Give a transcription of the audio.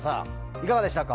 いかがでしたか？